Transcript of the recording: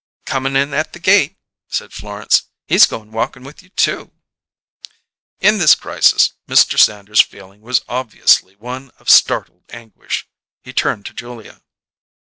"Comin' in at the gate," said Florence. "He's goin' walkin' with you, too." In this crisis, Mr. Sanders's feeling was obviously one of startled anguish. He turned to Julia.